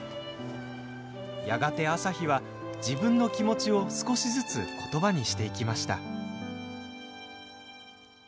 やがて朝陽は自分の気持ちを少しずつ言葉にしていきました。